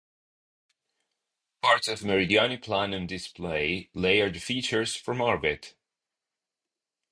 Parts of Meridiani Planum display layered features from orbit.